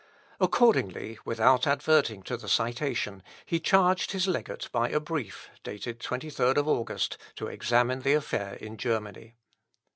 Accordingly, without adverting to the citation, he charged his legate by a brief, dated 23rd of August, to examine the affair in Germany.